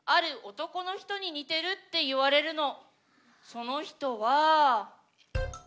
その人は。